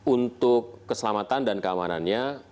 untuk keselamatan dan keamanannya